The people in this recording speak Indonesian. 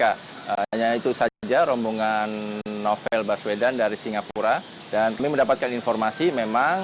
hanya itu saja rombongan novel baswedan dari singapura dan kami mendapatkan informasi memang